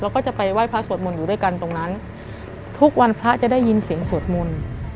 ก็จะไปไหว้พระสวดมนต์อยู่ด้วยกันตรงนั้นทุกวันพระจะได้ยินเสียงสวดมนต์